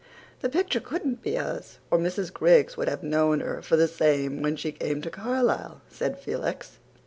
"The picture couldn't be hers, or Mrs. Griggs would have known her for the same when she came to Carlisle," said Felix.